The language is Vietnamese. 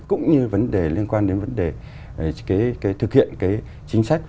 cũng như liên quan đến vấn đề thực hiện chính sách